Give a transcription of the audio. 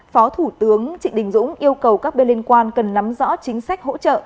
phó thủ tướng trịnh đình dũng yêu cầu các bên liên quan cần nắm rõ chính sách hỗ trợ